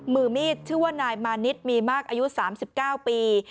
มือมีดชื่อว่านายมานิดมีมากอายุ๓๙ปี